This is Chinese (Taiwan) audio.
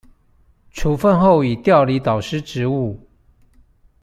處分後已調離導師職務